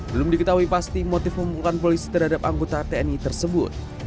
belum diketahui pasti motif pemukulan polisi terhadap anggota tni tersebut